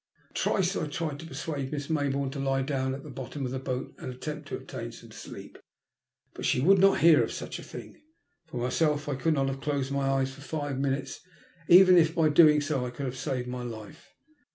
Twice I tried to persuade Miss Maybourne to lie down at the bottom of the boat and attempt to obtain some sleep, but she would not hear of such a thing. For myself I could not have , closed my eyes for five minutes, even if by doing so I could have saved my life.